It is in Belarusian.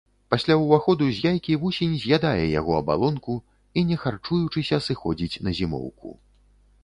Пасля ўваходу з яйкі вусень з'ядае яго абалонку, і не харчуючыся, сыходзіць на зімоўку.